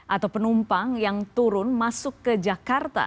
atau penumpang yang turun masuk ke jakarta